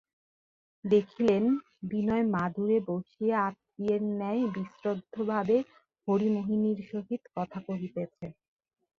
দেখিলেন, বিনয় মাদুরে বসিয়া আত্মীয়ের ন্যায় বিশ্রব্ধভাবে হরিমোহিনীর সহিত কথা কহিতেছে।